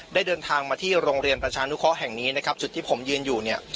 เดินทางมาที่โรงเรียนประชานุเคราะห์แห่งนี้นะครับจุดที่ผมยืนอยู่เนี่ย